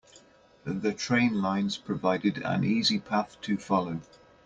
The train lines provided an easy path to follow.